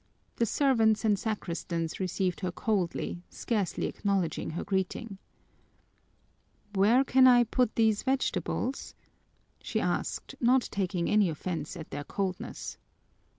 The servants and sacristans received her coldly, scarcely acknowledging her greeting. "Where can I put these vegetables?" she asked, not taking any offense at their coldness.